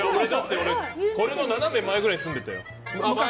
俺、これの斜め前くらいに住んでたよ。